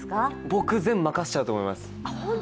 僕全部任せちゃうと思います。